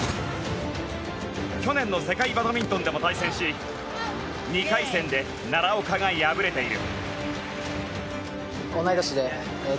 去年の世界バドミントンでも対戦し２回戦で奈良岡が敗れている。